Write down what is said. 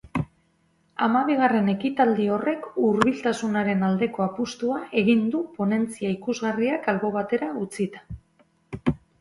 Hamabigarren ekitaldi horrek hurbiltasunaren aldeko apustua egin du ponentzia ikusgarriak albo batera utzita.